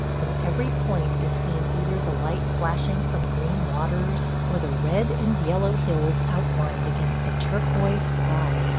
From every point is seen either the light flashing from green waters, or the red and yellow hills outlined against a turquoise sky.